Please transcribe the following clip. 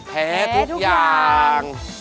แพ้ทุกอย่าง